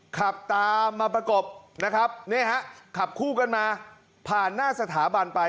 ขับตามมาประกบนะครับนี่ฮะขับคู่กันมาผ่านหน้าสถาบันไป